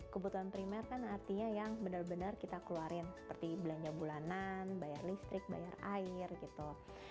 kebutuhan primer kan artinya yang benar benar kita keluarin seperti belanja bulanan bayar listrik bayar air gitu